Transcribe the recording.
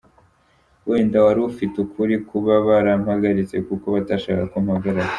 Wenda wari ufite ukuri kuba barampagaritse kuko batashakaga ko mpagaragara.